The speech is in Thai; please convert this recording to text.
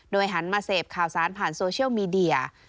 หันมาเสพข่าวสารผ่านโซเชียลมีเดีย